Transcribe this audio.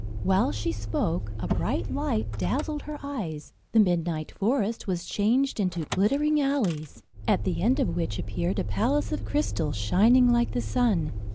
While she spoke, a bright light dazzled her eyes, the midnight forest was changed into glittering alleys, at the end of which appeared a palace of crystal, shining like the sun.